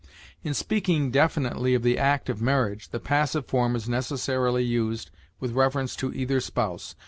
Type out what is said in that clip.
In speaking definitely of the act of marriage, the passive form is necessarily used with reference to either spouse.